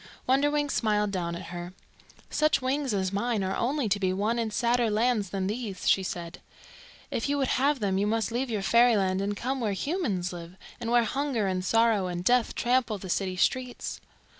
Wonderwings smiled down at her. "Such wings as mine are only to be won in sadder lands than these," she said. "If you would have them you must leave your fairyland and come where humans live, and where hunger and sorrow and death trample the city streets."